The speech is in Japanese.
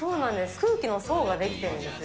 空気の層が出来てるんですね。